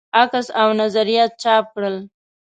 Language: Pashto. عکس او نظریات چاپ کړل.